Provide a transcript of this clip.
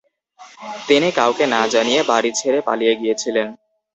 তিনি কাউকে না জানিয়ে বাড়ি ছেড়ে পালিয়ে গিয়েছিলেন।